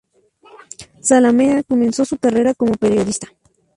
Zalamea comenzó su carrera como periodista.